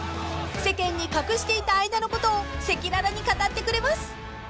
［世間に隠していた間のことを赤裸々に語ってくれます］